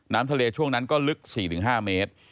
น้ำทะเลช่วงนั้นก็ลึก๔๕เมตร